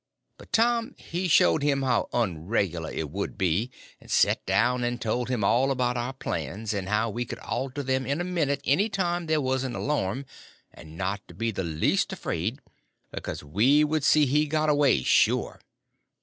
But Tom he showed him how unregular it would be, and set down and told him all about our plans, and how we could alter them in a minute any time there was an alarm; and not to be the least afraid, because we would see he got away, sure.